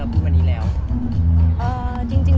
แม็กซ์ก็คือหนักที่สุดในชีวิตเลยจริง